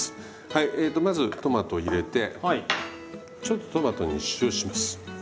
はいえとまずトマト入れてちょっとトマトに塩します。